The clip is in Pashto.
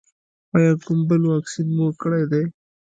ایا کوم بل واکسین مو کړی دی؟